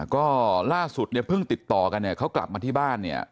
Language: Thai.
ก็ล่าสุดเนี่ยเพิ่งติดต่อกันเนี่ยเขากลับมาที่บ้านเนี่ย